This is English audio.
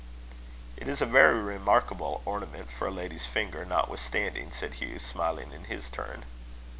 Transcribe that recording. "It is a very remarkable ornament for a lady's finger, notwithstanding," said Hugh, smiling in his turn.